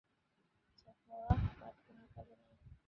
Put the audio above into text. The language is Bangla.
চা খাওয়ার পাট কোন কালে নাই।